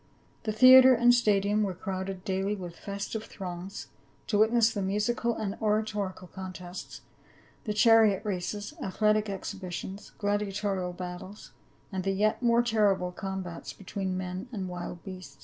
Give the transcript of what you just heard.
The theatre and stadium were crowded daily with festive throngs, to witness the mu:ical and oratorical contests, the chariot races, athletic exhibitions, gladiatorial battles, and the yet more terrible combats between men and wild beasts.